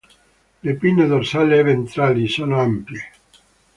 Le pinne dorsale e ventrali sono ampie.